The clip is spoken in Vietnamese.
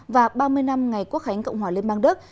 và ba mươi năm ngày quốc khánh cộng hòa liên bang đức